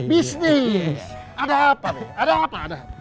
bisnis ada apa ada apa ada